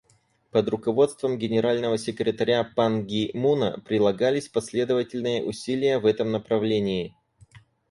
Под руководством Генерального секретаря Пан Ги Муна прилагались последовательные усилия в этом направлении.